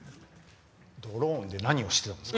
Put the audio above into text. ドローンで何をしてたんですか？